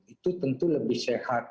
itu tentu lebih sehat